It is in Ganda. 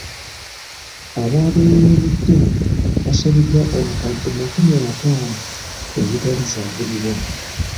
Ababeeyimiridde baasabiddwa obukadde makumi ataano ezitali zaabuliwo.